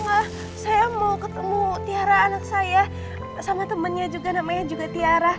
wah saya mau ketemu tiara anak saya sama temennya juga namanya juga tiara